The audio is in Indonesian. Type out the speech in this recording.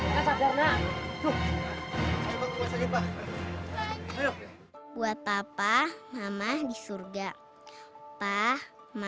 w septiulum niagsah